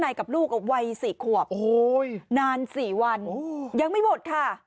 นายกับลูกวัยสี่ขวบโอ้โหนานสี่วันโอ้ยยังไม่หมดค่ะ